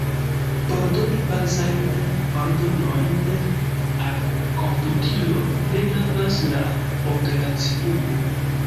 Por doni bazajn ordonojn al komputilo, ne gravas la operaciumo.